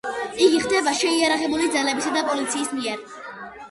იგი ხდება შეიარაღებული ძალებისა და პოლიციის მიერ.